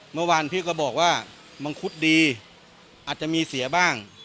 เมื่อวานพี่ก็บอกว่ามังคุดดีอาจจะมีเสียบ้าง